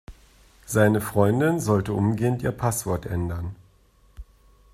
Seine Freundin sollte umgehend ihr Passwort ändern.